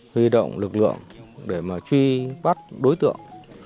huy động lực lượng để mà truy bắt đối tượng